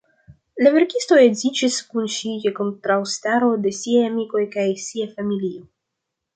La verkisto edziĝis kun ŝi je kontraŭstaro de siaj amikoj kaj sia familio.